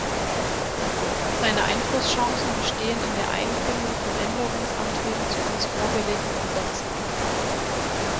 Seine Einflusschancen bestehen in der Einbringung von Änderungsanträgen zu uns vorgelegten Gesetzen.